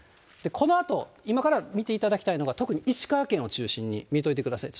このあと、今から見ていただきたいのが、特に石川県を中心に見といてください。